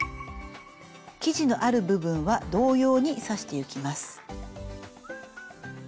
生地のある部分は同様に刺していきます。